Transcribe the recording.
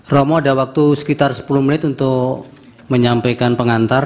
romo ada waktu sekitar sepuluh menit untuk menyampaikan pengantar